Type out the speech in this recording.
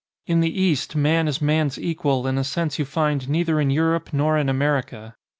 In the East man is man's equal in a sense you find neither in Europe nor in America.